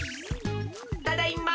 ただいま。